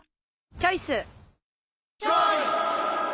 チョイス！